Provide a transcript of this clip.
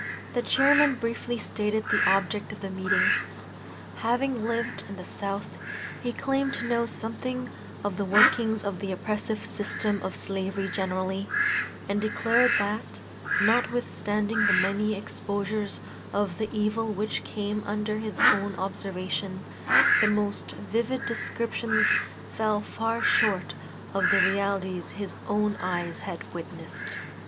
The chairman briefly stated the object of the meeting. Having lived in the South, he claimed to know something of the workings of the oppressive system of slavery generally, and declared that, notwithstanding the many exposures of the evil which came under his own observation, the most vivid descriptions fell far short of the realities his own eyes had witnessed.